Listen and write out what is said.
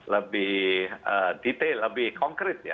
lebih detail lebih konkret ya